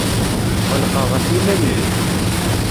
Ɣelqeɣ ɣef yiman-inu.